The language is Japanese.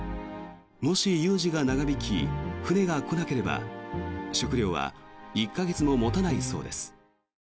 もし、有事が長引き船が来なければ食料は１か月も持たないそうです。